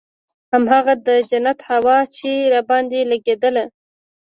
هماغه د جنت هوا چې راباندې لګېدله.